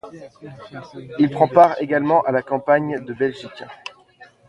Il prend part également à la campagne de Belgique.